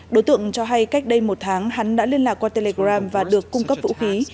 đối tượng cho hay cách đây một tháng hắn đã liên lạc qua telegram và được cung cấp vũ khí